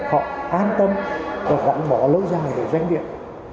họ an tâm và họ bỏ lâu ra nghề doanh nghiệp